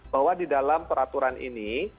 bahwa di dalam peraturan ini